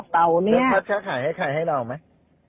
พี่พัฒน์จะขายให้ใครให้เราไหม